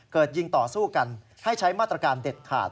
ยิงต่อสู้กันให้ใช้มาตรการเด็ดขาด